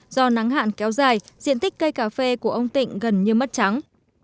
do nắng hạn kéo dài diện tích cây cà phê của ông tịnh gần như mất trắng